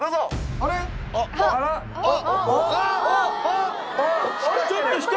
あっ！